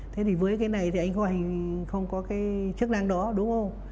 thế thì với cái này thì anh có hành không có cái chức năng đó đúng không